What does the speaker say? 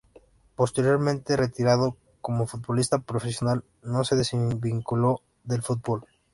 Posteriormente, retirado como futbolista profesional no se desvinculó del fútbol.